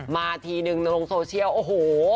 มาทีนึงลงโซเชียลโอ้โห